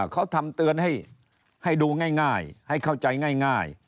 เขาทำเตือนให้ดูง่ายให้เข้าใจง่าย